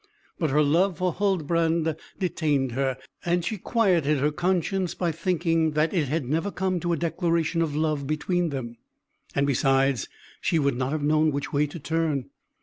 But her love for Huldbrand detained her, and she quieted her conscience by thinking, that it had never come to a declaration of love between them; and, besides, she would not have known which way to turn.